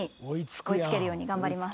追い付けるように頑張ります。